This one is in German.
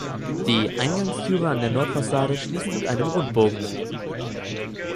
Die Eingangstüre an der Nordfassade schließt mit einem Rundbogen.